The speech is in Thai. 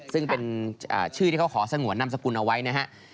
ซึ่งเป็นชื่อที่เขาขอสงวนนามสกุลเอาไว้นะฮะ